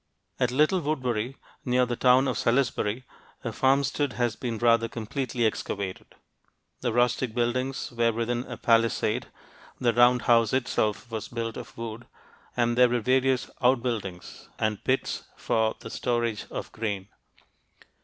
At Little Woodbury, near the town of Salisbury, a farmstead has been rather completely excavated. The rustic buildings were within a palisade, the round house itself was built of wood, and there were various outbuildings and pits for the storage of grain.